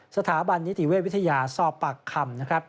สถาบันนิติเวทวิทยาสอบปากคำ